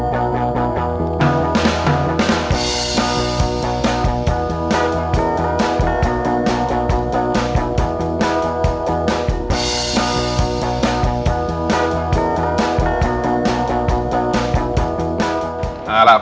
โหคเวอร์ฮอคไนโดบีฟบอท